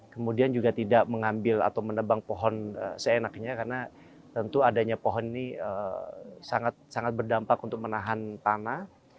kemudian juga tidak mengambil atau menebang pohon seenaknya karena tentu adanya pohon ini sangat sangat berdampak untuk menahan tanah